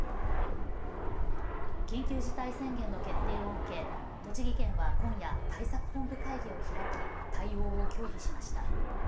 緊急事態宣言の決定を受け栃木県は今夜、対策本部会議を開き対応を協議しました。